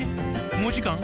もうじかん？